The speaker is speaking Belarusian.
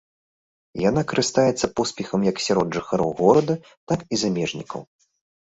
Яна карыстаецца поспехам як сярод жыхароў горада, так і замежнікаў.